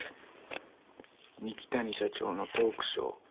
二木谷社長のトークショー。